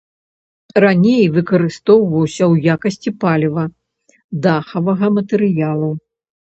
Раней выкарыстоўваўся ў якасці паліва, дахавага матэрыялу.